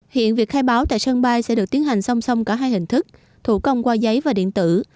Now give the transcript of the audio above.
hiện việc khai báo tại sân bay sẽ được tiến hành song song cả hai hình thức thủ công qua giấy và điện tử